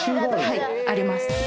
はいあります。